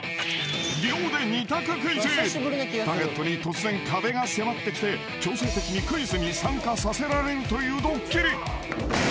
［ターゲットに突然壁が迫ってきて強制的にクイズに参加させられるというドッキリ］